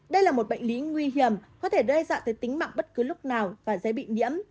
đây là một bệnh lý nguy hiểm có thể đe dọa tới tính mạng bất cứ lúc nào và dễ bị nhiễm